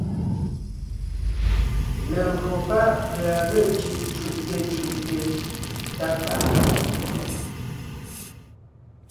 Legÿo pá’ pʉ̀a ge cʉ́’ cú’te cú’te tá fa’a,